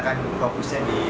kan fokusnya di